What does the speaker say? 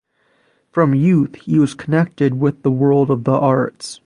From youth he was connected with the world of the arts.